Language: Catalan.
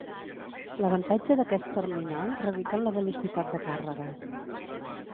L'avantatge d'aquest terminal radica en la velocitat de càrrega.